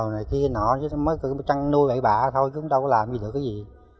mới trăn nuôi mấy bà thôi cũng đâu có làm gì được cái gì